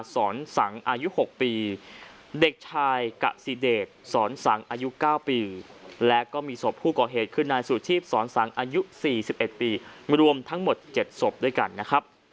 สอนสังอายุ๙ปีและก็มีศพผู้ก่อเหตุคืนนายสูตรทีพสอนสังอายุ๔๑ปีรวมทั้งหมด๗ศพด้วยกันนะครับ